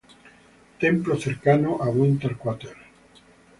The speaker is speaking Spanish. Templos cercanos a Winter Quarters